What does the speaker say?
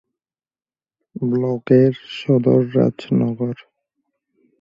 ব্লকের সদর রাজনগর।